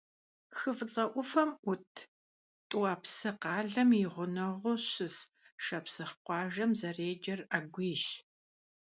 Хы ФIыцIэ Iуфэм Iут ТIуапсы къалэм и гъунэгъуу щыс шапсыгъ къуажэм зэреджэр Агуийщ.